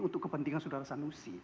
untuk kepentingan saudara sanusi